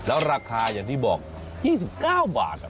แล้วราคาอย่างที่บอก๒๙บาท